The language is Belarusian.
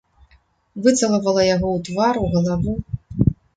Выцалавала яго ў твар, у галаву.